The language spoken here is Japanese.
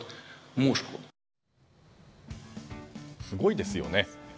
すごいですよね。